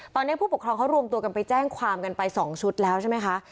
ตอนนี้ผู้ปกครองเขารวมตัวกันไปแจ้งความกันไป๒ชุดแล้วใช่ไหมคะ